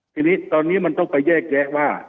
ทีนี้ตอนนี้มันต้องไปแยกแยะว่า